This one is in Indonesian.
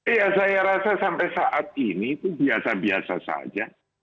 iya saya rasa sampai saat ini itu biasa biasa saja